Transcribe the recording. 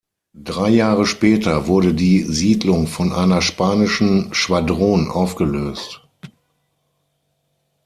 Drei Jahre später wurde die Siedlung von einer spanischen Schwadron aufgelöst.